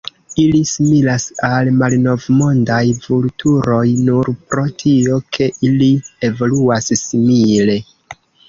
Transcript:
Ili similas al Malnovmondaj vulturoj nur pro tio ke ili evoluas simile.